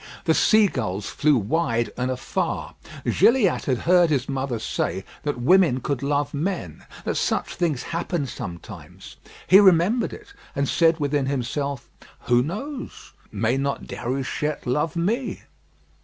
The sea gulls flew wide and afar. Gilliatt had heard his mother say that women could love men; that such things happened sometimes. He remembered it; and said within himself, "Who knows, may not Déruchette love me?"